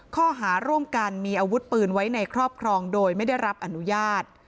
ข้อหาร่วมกันมีอาวุธปืนไว้ในครอบครองโดยไม่ได้รับอนุญาต